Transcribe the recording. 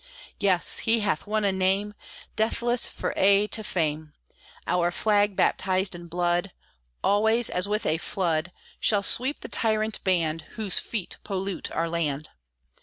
Yes! he hath won a name Deathless for aye to fame; Our flag baptized in blood, Always, as with a flood, Shall sweep the tyrant band Whose feet pollute our land.